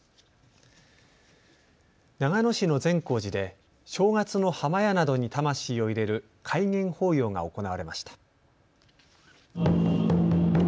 長野市の善光寺で正月の破魔矢などに魂を入れる開眼法要が行われました。